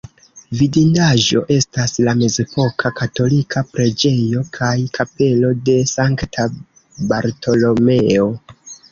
Vidindaĵo estas la mezepoka katolika preĝejo kaj kapelo de Sankta Bartolomeo.